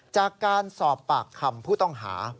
จากการสอบปากคำผู้ต้องหา